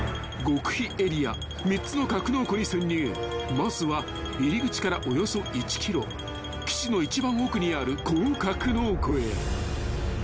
［まずは入り口からおよそ１ｋｍ基地の一番奥にあるこの格納庫へ］